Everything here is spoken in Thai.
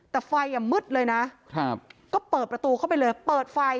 แต่ไฟอ่ะมืดเลยนะครับก็เปิดประตูเข้าไปเลยเปิดไฟ